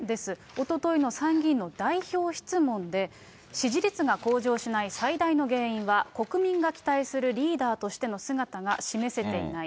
おとといの参議院の代表質問で、支持率が向上しない最大の原因は、国民が期待するリーダーとしての姿が示せていない。